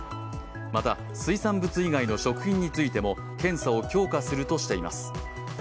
また、水産物以外の食品についても検査を強化するとしています。